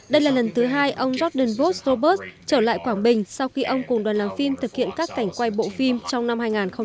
đây là lần thứ hai ông jordan boss robert trở lại quảng bình sau khi ông cùng đoàn làm phim thực hiện các cảnh quay bộ phim trong năm hai nghìn một mươi tám